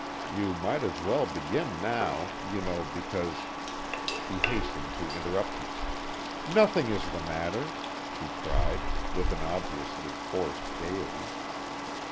You might as well begin now, you know because " She hastened to interrupt him: "Nothing is the matter!" she cried, with an obviously forced gaiety.